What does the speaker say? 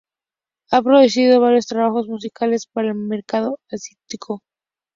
Ha producido varios trabajos musicales para el mercado asiático.